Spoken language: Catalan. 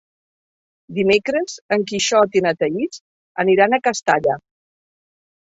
Dimecres en Quixot i na Thaís aniran a Castalla.